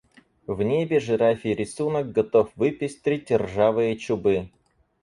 В небе жирафий рисунок готов выпестрить ржавые чубы.